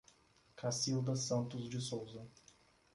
Cacilda Santos de Souza